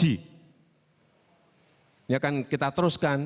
ini akan kita teruskan